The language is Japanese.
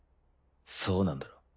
そうなんだろう？